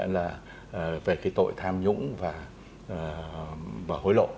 gọi là về cái tội tham nhũng và gọi là về cái tội tham nhũng và